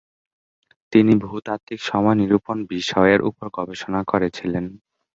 তিনি ভূতাত্ত্বিক সময় নিরূপণ বিষয়ের উপর গবেষণা করেছিলেন।